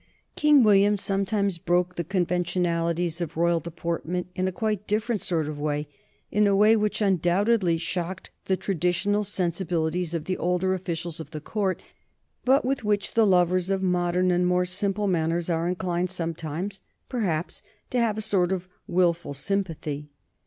King William sometimes broke the conventionalities of royal deportment in a quite different sort of way, in a way which undoubtedly shocked the traditional sensibilities of the older officials of the Court, but with which the lovers of modern and more simple manners are inclined sometimes, perhaps, to have a sort of wilful sympathy.